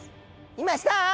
いました？